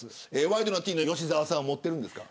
ワイドナティーンの吉澤さん、持ってますか。